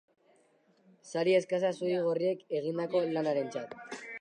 Sari eskasa zuri-gorriek egindako lanarentzat.